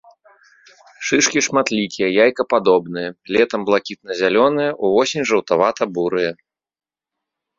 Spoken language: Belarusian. Шышкі шматлікія, яйкападобныя, летам блакітна-зялёныя, увосень жаўтавата-бурыя.